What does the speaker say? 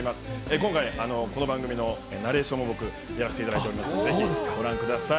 今回、この番組のナレーションも僕、やらせていただいておりますので、ぜひ、ご覧ください。